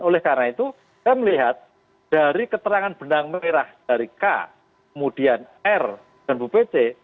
oleh karena itu saya melihat dari keterangan benang merah dari k kemudian r dan bu pece